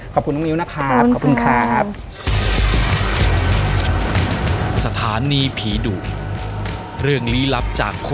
ขอบคุณน้องมิวนะครับขอบคุณครับขอบคุณครับ